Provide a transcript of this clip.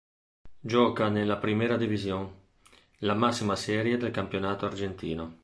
Gioca nella Primera División, la massima serie del campionato argentino.